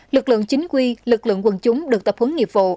lực lượng chính quy lực lượng quân chúng được tập hướng nghiệp vụ